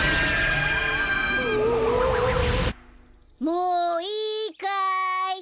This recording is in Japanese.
もういいかい。